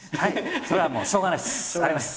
それはもうしょうがないです。あります。